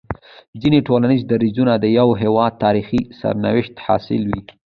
ځيني ټولنيز درځونه د يوه هيواد د تاريخي سرنوشت حاصل وي